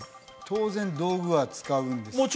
当然道具は使うんですよね？